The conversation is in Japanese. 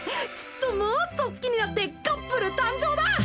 きっともっと好きになってカップル誕生だ！